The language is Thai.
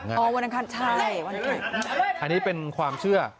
พอวันอังคารใช่วันเกิดอันนี้เป็นความเชื่อ